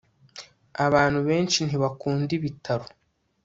abantu benshi ntibakunda ibitaro